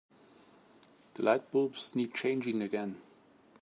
The lightbulbs need changing again.